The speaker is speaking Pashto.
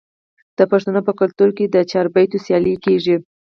د پښتنو په کلتور کې د چاربیتیو سیالي کیږي.